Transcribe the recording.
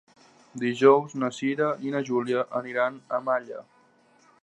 Dijous na Cira i na Júlia aniran a Malla.